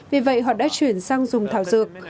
vì vậy họ đã chuyển sang dùng thảo dược